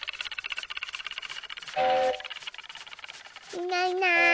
いないいない。